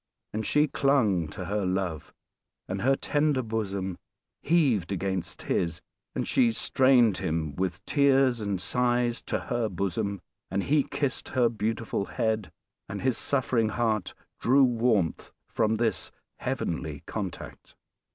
And she clung to her love; and her tender bosom heaved against his; and she strained him, with tears and sighs, to her bosom; and he kissed her beautiful head; and his suffering heart drew warmth from this heavenly contact.